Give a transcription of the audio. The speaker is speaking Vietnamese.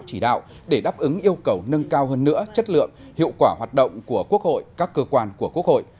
chỉ đạo để đáp ứng yêu cầu nâng cao hơn nữa chất lượng hiệu quả hoạt động của quốc hội các cơ quan của quốc hội